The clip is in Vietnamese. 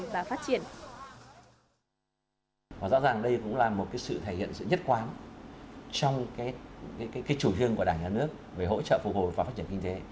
rõ ràng đây cũng là một cái sự thể hiện sự nhất quán trong cái chủ trương của đảng nhà nước về hỗ trợ phục hồi và phát triển kinh tế